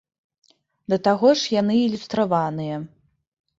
Да таго ж яны ілюстраваныя.